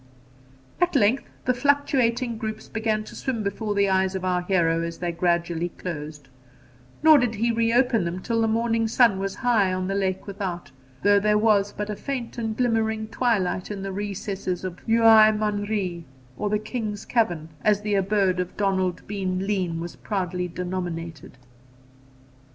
At length the fluctuating groups began to swim before the eyes of our hero as they gradually closed; nor did he re open them till the morning sun was high on the lake without, though there was but a faint and glimmering twilight in the recesses of Uaimh an Ri, or the King's Cavern, as the abode of Donald Bean Lean was proudly denominated.